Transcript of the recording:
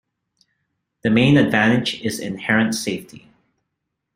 The main advantage is inherent safety.